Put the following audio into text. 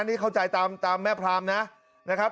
นี่เข้าใจตามแม่พรามนะครับ